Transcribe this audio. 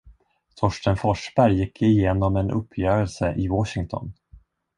Torsten Forsberg fick igenom en uppgörelse i Washington.